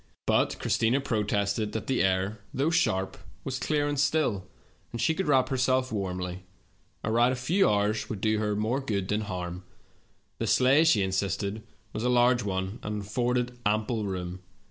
But Christina protested that the air, though sharp, was clear and still, and she could wrap herself warmly ; a ride of a few hours would do her more good than harm. The sleigh, she insisted, was a large one, and afforded ample room.